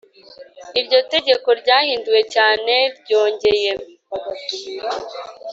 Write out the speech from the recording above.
iryo tegeko ryahinduwe cyangwa ryongeye